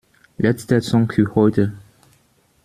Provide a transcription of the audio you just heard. Letzter Song für heute!